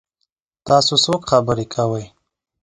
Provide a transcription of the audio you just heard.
تاسو څوک خبرې کوئ؟